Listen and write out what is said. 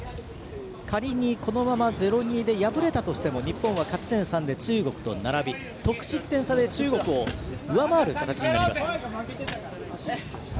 仮にこのまま０−２で敗れたとしても日本は勝ち点３で中国と並び得失点差で中国を上回ります。